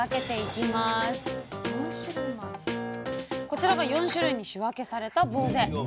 こちらが４種類に仕分けされたぼうぜ。